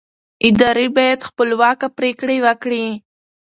ادارې باید خپلواکه پرېکړې وکړي